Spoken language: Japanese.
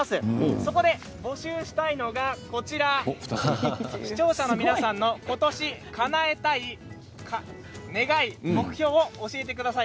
そこで、募集したいのが視聴者の皆さんの今年かなえたい願い、目標を教えてください。